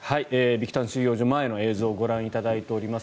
ビクタン収容所前の映像をご覧いただいております。